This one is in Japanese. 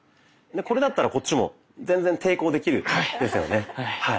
これだったらこっちも全然抵抗できるですよね。